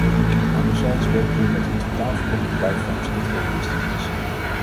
Anderzijds weten we dat een totaal verbod op bijvangst niet realistisch is.